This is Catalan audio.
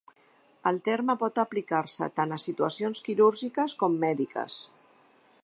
El terme pot aplicar-se tant a situacions quirúrgiques com mèdiques.